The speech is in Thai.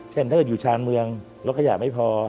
ถ้าเกิดอยู่ชานเมืองรถขยะไม่พอ